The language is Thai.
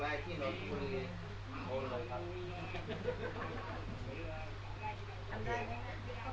อันนี้เป็นอะไรมันเจ้าเจ้า